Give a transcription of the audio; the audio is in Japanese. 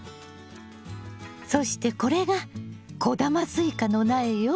そしてこれが小玉スイカの苗よ。